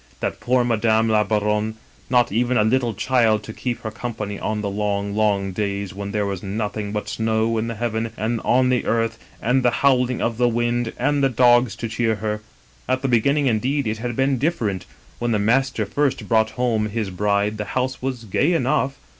That poor Madame la Baronne ! not even a little child to keep her company on the long, long days when there was nothing but snow in the heaven and on the earth and the howling of the wind and the dogs to I20 Egertan Castle cheer her. At the beginning, indeed, it had been different; when the master first brought home his bride the house was gay enough.